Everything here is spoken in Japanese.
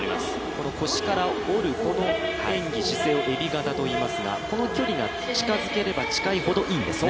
この腰から折る演技、姿勢をえび型といいますが、この距離が近づければ近づけるほどいいんですね。